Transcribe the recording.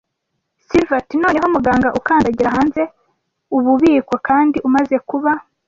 Silver ati: "Noneho, muganga, ukandagira hanze o 'ububiko, kandi umaze kuba